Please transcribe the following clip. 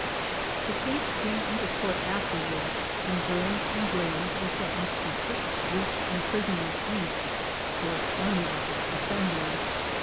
The case came into Court afterwards, and Burns and Graham were sentenced to six weeks' imprison ment each for " unlawful assembly."